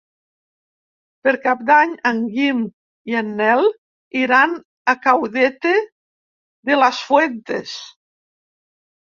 Per Cap d'Any en Guim i en Nel iran a Caudete de las Fuentes.